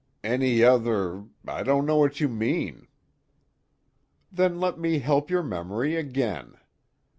"Any other I don't know what you mean." "Then let me help your memory again.